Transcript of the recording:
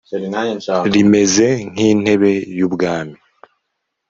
rimeze nk intebe y ubwami